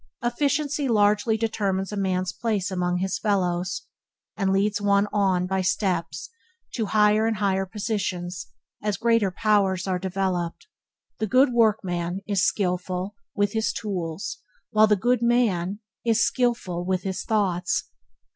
Efficiency largely determines a man's place among his fellows, and leads one on by steps to higher and higher positions as greater powers are developed. The good workman is skillful, with his tools, while the good man is skillful with his thoughts.